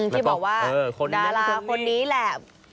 ที่บอกว่าดาราคนนี้แหละ